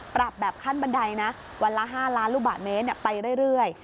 ปรับแบบขั้นบันไดนะวันละห้าร้านลูกบาทเมตรเนี่ยไปเรื่อยเรื่อย